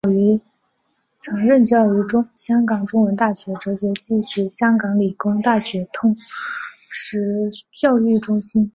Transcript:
曾任教于香港中文大学哲学系及香港理工大学通识教育中心。